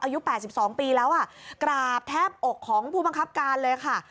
อายุ๘๒ปีแล้วอ่ะกราบแทบอกของผู้บังคับการเลยค่ะ